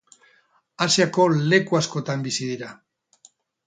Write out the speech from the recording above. Asiako leku askotan bizi dira.